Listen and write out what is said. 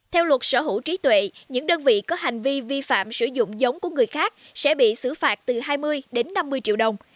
theo luật sở hữu trí tuệ những đơn vị có hành vi vi phạm sử dụng giống của người khác sẽ bị xử phạt từ hai mươi đến năm mươi triệu đồng